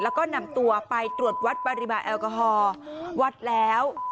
แล้วก็นำตัวไปตรวจวัดปริมาณแอลกอฮอล์วัดแล้ว